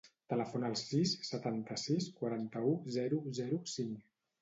Telefona al sis, setanta-sis, quaranta-u, zero, zero, cinc.